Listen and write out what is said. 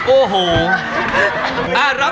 โอ้โหลอไปแล้ว๓๔